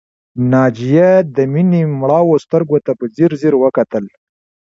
ناجیه د مينې مړاوو سترګو ته په ځير ځير وکتل